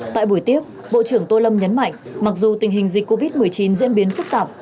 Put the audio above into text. tại buổi tiếp bộ trưởng tô lâm nhấn mạnh mặc dù tình hình dịch covid một mươi chín diễn biến phức tạp